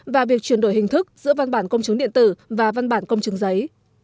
và việc chuyển đổi hình thức giữa văn bản công chứng điện tử và văn bản công chứng giấy